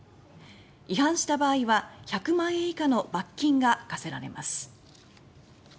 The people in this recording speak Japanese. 違反した場合は１００万円以下の罰金が課せられます。